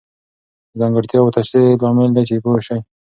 د ځانګړتیاوو تشریح لامل دی چې پوه سئ.